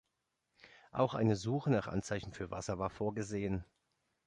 Auch eine Suche nach Anzeichen für Wasser war vorgesehen.